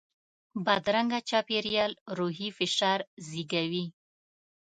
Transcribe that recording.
بدرنګه چاپېریال روحي فشار زیږوي